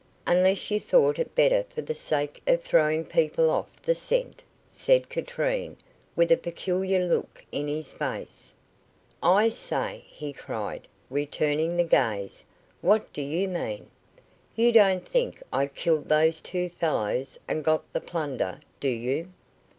"Unless you thought it better for the sake of throwing people off the scent," said Katrine, with a peculiar look in his face. "I say," he cried, returning the gaze, "what do you mean? You don't think I killed those two fellows, and got the plunder, do you?"